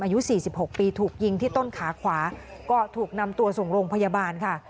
อายุ๔๖ปีถูกยิงที่ต้นขาขวาก็ถูกนำตัวส่งโรงพยาบาลค่ะ